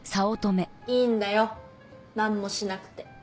いいんだよ何もしなくて。